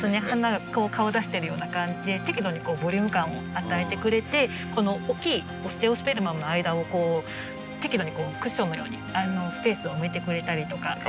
花が顔出してるような感じで適度にボリューム感を与えてくれてこのおっきいオステオスペルマムの間を適度にクッションのようにスペースを埋めてくれたりとか。